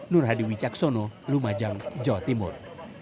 nur hadiwi caksono lumajang jawa timur